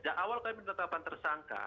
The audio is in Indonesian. sejak awal kami menetapkan tersangka